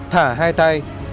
thả hai tay